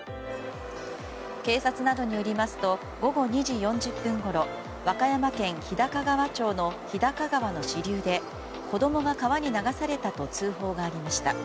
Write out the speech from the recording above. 警察などによりますと午後２時４０分ごろ和歌山県日高川町の日高川の支流で子供が川に流されたと通報がありました。